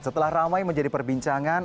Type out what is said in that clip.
setelah ramai menjadi perbincangan